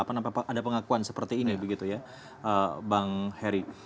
kenapa ada pengakuan seperti ini begitu ya bang heri